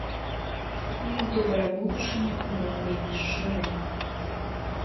У іх добрая будучыня, бо яны вельмі шчырыя.